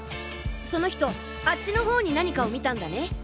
その人あっちの方に何かを見たんだね？